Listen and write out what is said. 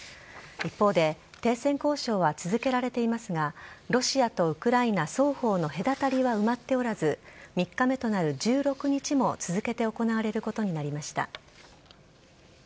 一方で、停戦交渉は続けられていますが、ロシアとウクライナ双方の隔たりは埋まっておらず、３日目となる１６日も続けて行われることになりました。